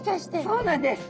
そうなんです。